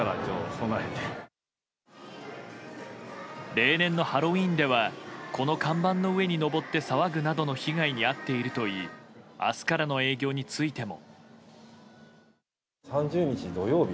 例年のハロウィーンではこの看板の上に上って騒ぐなどの被害に遭っているといい明日からの営業についても。